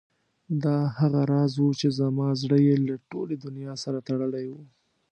دا هغه راز و چې زما زړه یې له ټولې دنیا سره تړلی و.